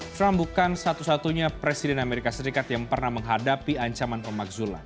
trump bukan satu satunya presiden amerika serikat yang pernah menghadapi ancaman pemakzulan